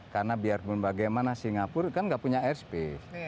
karena biarpun bagaimana singapura kan nggak punya airspace